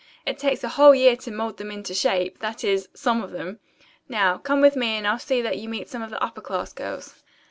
It takes a whole year to mould them into shape that is, some of them. Now, come with me and I'll see that you meet some of the upper class girls."